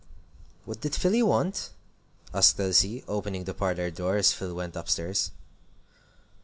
"What did Philly want?" asked Elsie, opening the parlor door as Phil went up stairs.